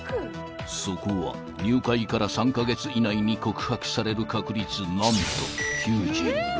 ［そこは入会から３カ月以内に告白される確率何と９６％